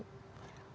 mengenai efek jerah